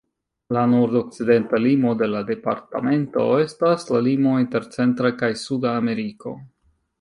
La nordokcidenta limo de la departamento estas la limo inter Centra kaj Suda Ameriko.